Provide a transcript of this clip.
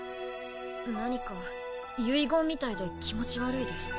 何か遺言みたいで気持ち悪いです